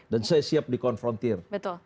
dan saya siap dikonfrontir